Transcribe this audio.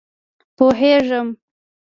پوهېږم.